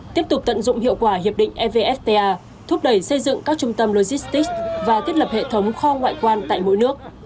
tiếp tục tận dụng hiệu quả hiệp định evfta thúc đẩy xây dựng các trung tâm logistics và thiết lập hệ thống kho ngoại quan tại mỗi nước